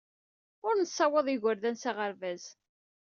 Ur nessaweḍ igerdan s aɣerbaz.